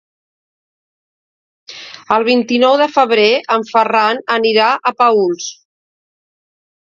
El vint-i-nou de febrer en Ferran anirà a Paüls.